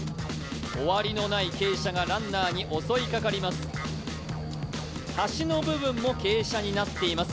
終わりのない傾斜がランナーに襲いかかります。